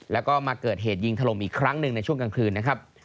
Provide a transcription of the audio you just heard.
แล้วก็มาเกิดเหตุยิงถล่มอีกครั้งหนึ่งในช่วงกลางคืนนะครับ